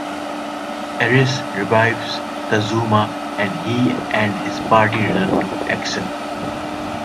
Eris revives Kazuma and he and his party return to Axel.